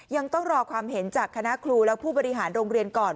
ยังต้องรอความเห็นจากคณะครูและผู้บริหารโรงเรียนก่อน